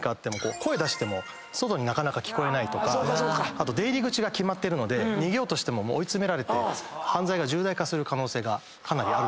あと出入り口が決まってるので逃げようとしても追い詰められて犯罪が重大化する可能性がかなりあるんですね。